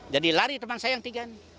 jadi lari teman saya yang tiga